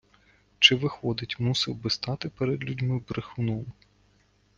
Чи, виходить, мусив би стати перед людьми брехуном?